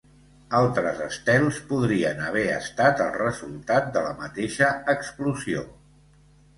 Altres estels podrien haver estat el resultat de la mateixa explosió.